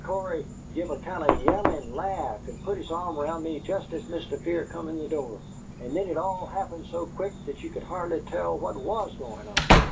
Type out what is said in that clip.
Cory give a kind of yelling laugh and put his arm round me jest as Mr. Fear come in the door. And then it all happened so quick that you could hardly tell what WAS goin' on.